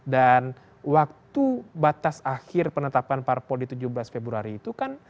dan waktu batas akhir penetapan parpol di tujuh belas februari itu kan